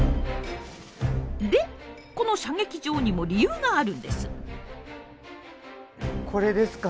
でこの射撃場にも理由があるんです。